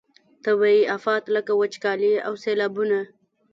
طبیعي آفات لکه وچکالي او سیلابونه.